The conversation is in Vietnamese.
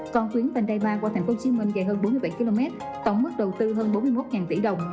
còn tuyến vành đai ba qua thành phố hồ chí minh dài hơn bốn mươi bảy km tổng mức đầu tư hơn bốn mươi một tỷ đồng